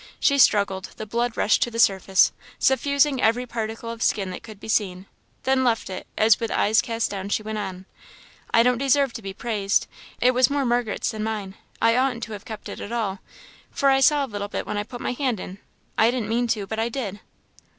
She struggled; the blood rushed to the surface, suffusing every particle of skin that could be seen; then left it, as with eyes cast down she went on "I don't deserve to be praised it was more Margaret's than mine. I oughtn't to have kept it at all for I saw a little bit when I put my hand in. I didn't mean to, but I did!"